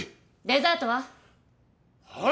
デザートは？